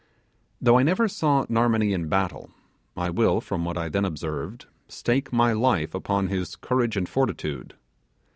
Though I never saw Narmonee in battle I will, from what I then observed, stake my life upon his courage and fortitude.